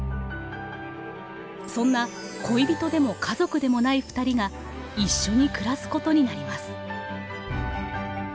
そんな恋人でも家族でもないふたりが一緒に暮らすことになります。